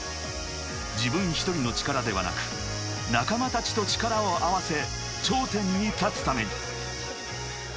自分１人の力ではなく、仲間たちと力を合わせ、頂点に立つために。